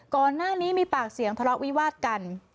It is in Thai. ก่อนหน้านี้มีปากเสียงทะเลาะวิวาดกัน